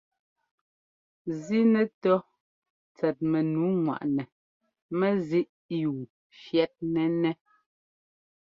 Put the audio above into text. Zínɛtɔ́ tsɛt mɛnu ŋwaꞌnɛ mɛzíꞌyúu fyɛ́tnɛ́nɛ́.